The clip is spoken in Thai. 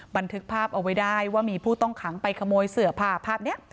บันทึกภาพเอาไว้ได้ว่ามีผู้ต้องขังไปขโมยเสื้อผ้าภาพนี้